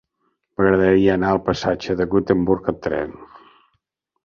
M'agradaria anar al passatge de Gutenberg amb tren.